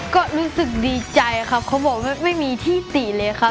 ก็รู้สึกดีใจครับเขาบอกว่าไม่มีที่ติเลยครับ